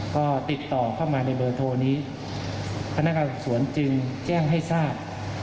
ก็ติดต่อเข้ามาในเบอร์โทรนี้พนักงานสวนจึงแจ้งให้ทราบ